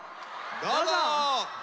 どうぞ。